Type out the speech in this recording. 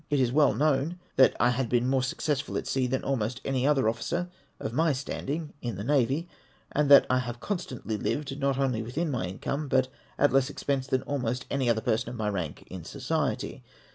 It is well known that I had been more successful at sea than almost any other officer of my standing in the navy, and that I have constantly lived, not only within my income, but at less expense than almost any other person of my rank in society.